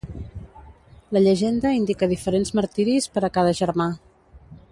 La llegenda indica diferents martiris per a cada germà.